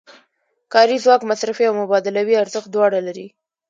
کاري ځواک مصرفي او مبادلوي ارزښت دواړه لري